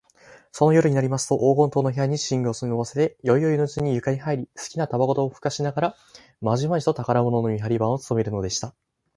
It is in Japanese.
その夜になりますと、黄金塔の部屋に夜具を運ばせて、宵よいのうちから床にはいり、すきなたばこをふかしながら、まじまじと宝物の見はり番をつとめるのでした。